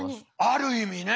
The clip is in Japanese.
ある意味ね。